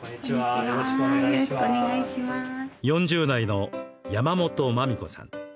４０代の山本磨美子さん。